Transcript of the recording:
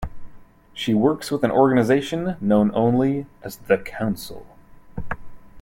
She works with an organization known only as "The Council".